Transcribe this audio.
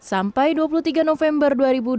sampai dua puluh tiga november dua ribu dua puluh